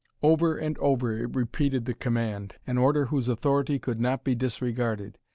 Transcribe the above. Over and over it repeated the command an order whose authority could not be disregarded.